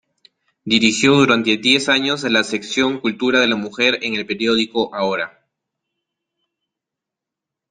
Dirigió durante diez años la sección "Cultura de la Mujer" en el periódico Ahora.